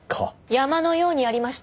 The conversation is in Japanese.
山のようにありました。